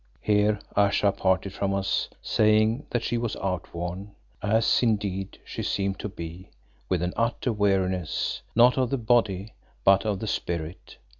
Here Ayesha parted from us saying that she was outworn, as indeed she seemed to be with an utter weariness, not of the body, but of the spirit.